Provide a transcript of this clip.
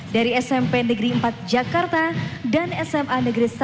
dari smp negeri empat jakarta dan sma negeri satu